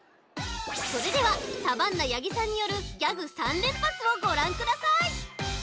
それではサバンナ八木さんによるギャグ３連発をごらんください！